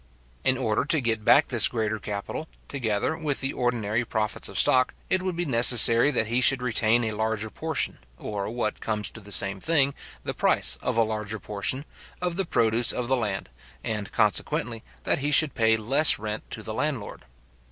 In order to get back this greater capital, together with the ordinary profits of stock, it would be necessary that he should retain a larger portion, or, what comes to the same thing, the price of a larger portion, of the produce of the land, and, consequently, that he should pay less rent to the landlord.